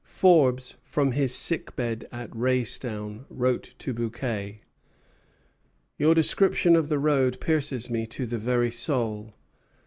Forbes from his sick bed at Raystown wrote to Bouquet: "Your description of the road pierces me to the very soul."